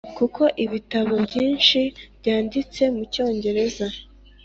kuko ibitabo byinshi byanditse mu cyongereza.